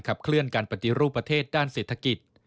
เคลื่อนการปฏิรูปประเทศด้านเศรษฐกิจ